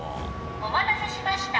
「お待たせしました。